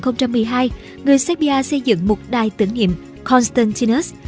năm hai nghìn một mươi hai người sepia xây dựng một đai tưởng niệm constantinus